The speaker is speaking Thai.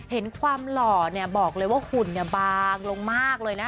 เห็นความหล่อเนี่ยบอกเลยว่าหุ่นบางลงมากเลยนะคะ